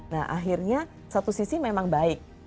nah akhirnya satu sisi memang baik